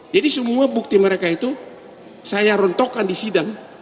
jadi semua bukti mereka itu saya rontokkan di sidang